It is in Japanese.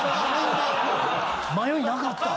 ・迷いなかった？